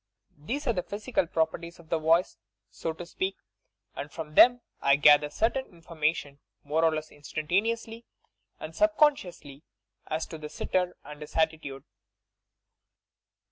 These sre the physical properties of the voice, so to speak, and from them I gather certain information more or less instantaneously and subconsciously aa to the sitter and his attitude.